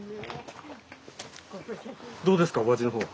どうですかお味の方は。